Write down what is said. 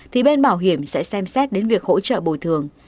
thì bên bảo hiểm sẽ xem xét đến việc hỗ trợ bồi thường